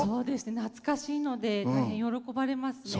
懐かしいので大変喜ばれますね。